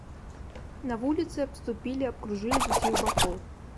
На вуліцы абступілі, абкружылі з усіх бакоў.